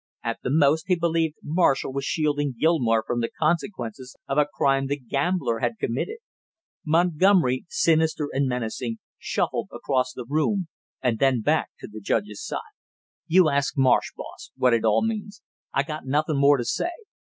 At the most he believed Marshall was shielding Gilmore from the consequences of a crime the gambler had committed. Montgomery, sinister and menacing, shuffled across the room and then back to the judge's side. "You ask Marsh, boss, what it all means. I got nothin' more to say!